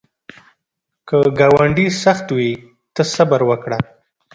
که ګاونډی سخت وي، ته صبر وکړه